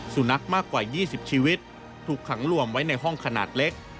สุนัขมากกว่า๒๐ชีวิตถูกขังรวมไว้ในห้องขนาดเล็ก